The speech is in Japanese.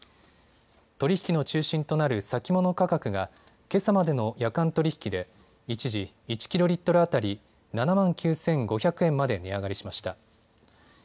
取り引きの中心となる先物価格がけさまでの夜間取引で一時、１キロリットル当たり７万９５００円まで値上がりしました。